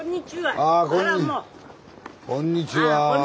あこんにちは。